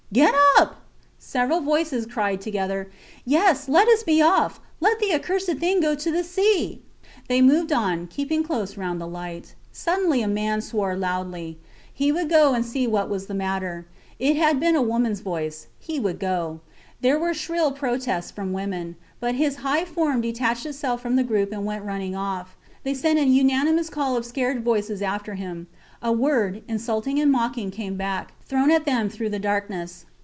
Get up! Several voices cried together. Yes, let us be off! Let the accursed thing go to the sea! They moved on, keeping close round the light. Suddenly a man swore loudly. He would go and see what was the matter. It had been a womans voice. He would go. There were shrill protests from women but his high form detached itself from the group and went off running. They sent an unanimous call of scared voices after him. A word, insulting and mocking, came back, thrown at them through the darkness.